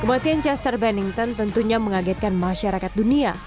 kemudian cesar bennington tentunya mengagetkan masyarakat dunia